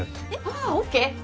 ああＯＫ！